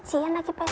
cian lagi petok